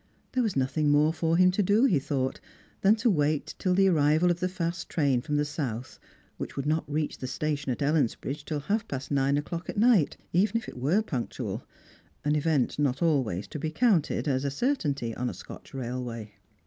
There was nothing more for him to do, he thought, than to wait till the arrival of the fast train from the South, which would not reach the station at Ellensbi idge till half past nine o'clock at night, 'even if it were punctual ; an event not always to be counted as a certainty on a Scotch railway.